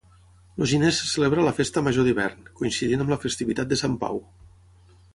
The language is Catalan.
El gener se celebra la festa major d'hivern, coincidint amb la festivitat de Sant Pau.